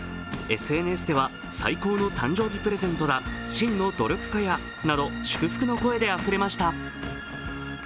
ＳＮＳでは最高の誕生日プレゼントだ、真の努力家やなど、祝福の声であふれました。